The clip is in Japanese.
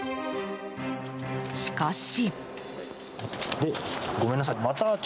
しかし。